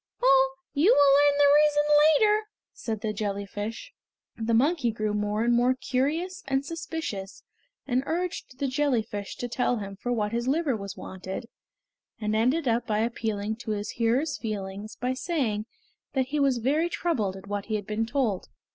"Oh! you will learn the reason later," said the jellyfish. The monkey grew more and more curious and suspicious, and urged the jellyfish to tell him for what his liver was wanted, and ended up by appealing to his hearer's feelings by saying that he was very troubled at what he had been told.